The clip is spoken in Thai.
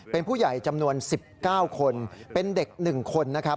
เป็นผู้ใหญ่จำนวน๑๙คนเป็นเด็ก๑คน